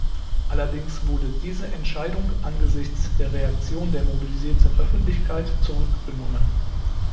Allerdings wurde diese Entscheidung angesichts der Reaktion der mobilisierten Öffentlichkeit zurückgenommen.